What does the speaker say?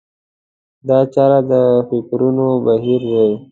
دا چاره د فکرونو بهير دی.